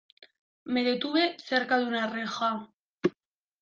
Me detuve cerca de una reja.